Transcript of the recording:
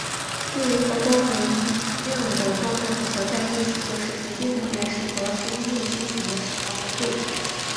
距离和光能量的状态组合在一起就是行星表面适合生命生存的适当温度。